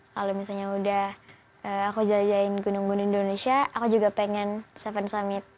kalau misalnya udah aku jelajahin gunung gunung indonesia aku juga pengen tujuh summit